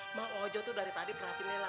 emang ojo tuh dari tadi perhatiin nela